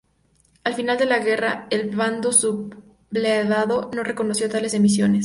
Al final de la guerra el bando sublevado no reconoció tales emisiones.